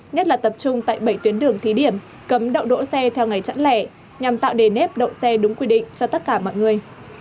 nhất là tập trung tại bảy tuyến đường thí điểm cấm đậu đỗ xe theo ngày chẵn lẻ nhằm tạo nề nếp đậu xe đúng quy định cho tất cả mọi người